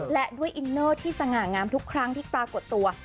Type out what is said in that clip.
และด้วยอินเนอร์ที่สง่างามทุกครั้งที่ปรากฏตัว